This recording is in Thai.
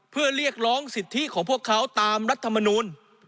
เพื่อเรียกร้องสิทธิของพวกเขาตามรัฐมนูล